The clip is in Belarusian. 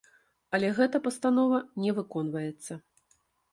Але гэта пастанова не выконваецца.